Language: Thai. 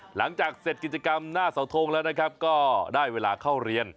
หลังจากเสร็จกิจกรรมหน้าเสาทงแล้วนะครับก็ได้เวลาเข้าเรียน